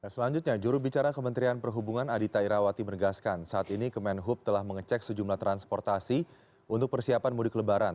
selanjutnya jurubicara kementerian perhubungan adita irawati menegaskan saat ini kemenhub telah mengecek sejumlah transportasi untuk persiapan mudik lebaran